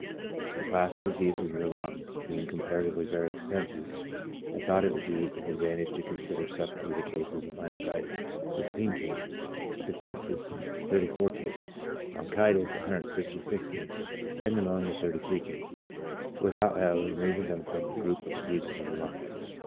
The class Diseases of the Lungs^ being comparatively very extensive, I thought it would be an advantage to consider separately the cases of laryngitis (16 cases), phthisis (34 cases), bronchitis (166 cases), and pneumonia (33 cases), without, however, removing them from the group Diseases of the Lungs.